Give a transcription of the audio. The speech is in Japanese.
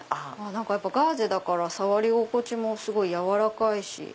やっぱガーゼだから触り心地もすごい柔らかいし。